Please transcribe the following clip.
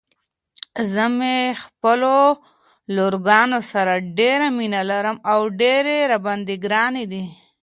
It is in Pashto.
زه مې خپلو لورګانو سره ډيره مينه لرم او ډيرې راباندې ګرانې دي.